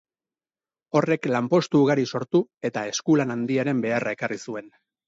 Horrek lanpostu ugari sortu eta eskulan handiaren beharra ekarri zuen.